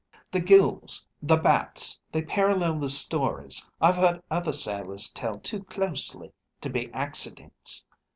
"The ghouls, the bats, they parallel the stories I've heard other sailors tell too closely to be accidents.